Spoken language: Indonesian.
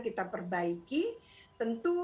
kita perbaiki tentu